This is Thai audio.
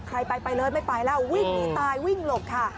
ใครไปไปเลยไม่ไปแล้ววิ่งหนีตายวิ่งหลบค่ะ